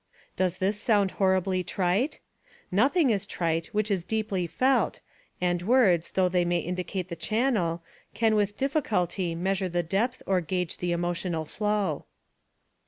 Does this sound horribly trite ? Nothing is trite which is deeply felt and words, though they may indicate the channel, can with difficulty measure the depth or gauge the emotional flow.